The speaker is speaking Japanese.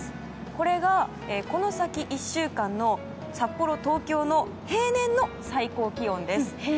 これが、この先１週間の札幌と東京の平年の最高気温です。